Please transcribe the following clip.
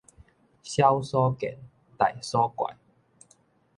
小所見，大所怪